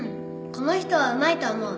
この人はうまいと思う